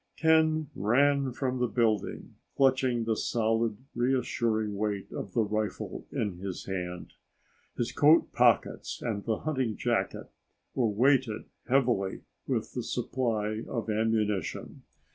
Ken ran from the building, clutching the solid, reassuring weight of the rifle in his hand. His coat pockets and the hunting jacket were weighted heavily with the supply of ammunition.